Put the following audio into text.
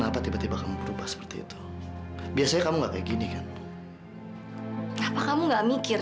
papa udah tidur